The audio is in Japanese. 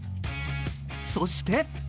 そして。